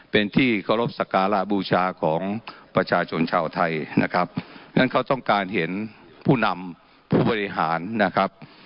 เป็นที่เคารพสักการะบูชาของประชาชนชาวไทยนะครับงั้นเขาต้องการเห็นผู้นำผู้บริหารนะครับ